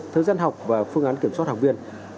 thời gian học và phương án kiểm soát học viên